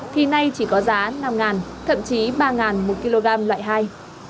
thì nay chỉ có giá năm ngàn thậm chí ba ngàn một kg loại hai